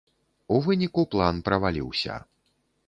У выніку план праваліўся.